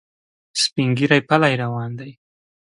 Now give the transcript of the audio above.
سپین ږیری پلی روان دی.